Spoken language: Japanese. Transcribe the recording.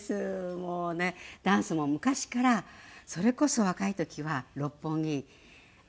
もうねダンスも昔からそれこそ若い時は六本木赤坂にありましたよね。